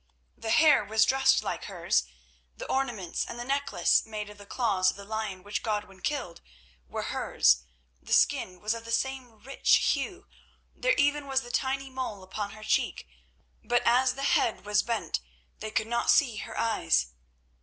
The hair was dressed like hers; the ornaments and the necklace made of the claws of the lion which Godwin killed were hers; the skin was of the same rich hue; there even was the tiny mole upon her cheek, but as the head was bent they could not see her eyes.